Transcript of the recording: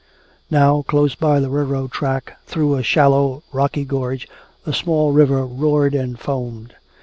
Now, close by the railroad track, through a shallow rocky gorge a small river roared and foamed.